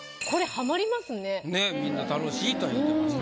ねっみんな楽しいとは言うてました。